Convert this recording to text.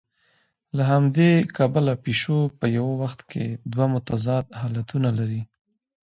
له همدې کبله پیشو په یوه وخت کې دوه متضاد حالتونه لري.